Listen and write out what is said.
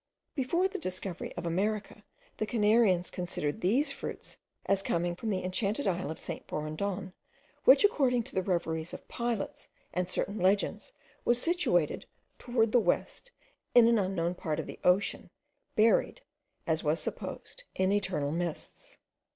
Before the discovery of America, the Canarians considered these fruits as coming from the enchanted isle of St. Borondon, which according to the reveries of pilots, and certain legends, was situated towards the west in an unknown part of the ocean, buried, as was supposed, in eternal mists.